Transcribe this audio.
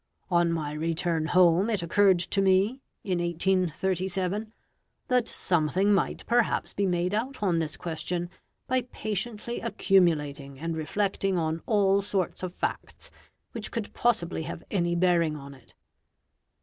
On my return home, it occurred to me, in 1837, that something might perhaps be made out on this question by patiently accumulating and reflecting on all sorts of facts which could possibly have any bearing on it.